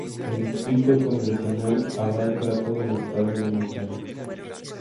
El distrito congresional abarca a todo el estado de Montana.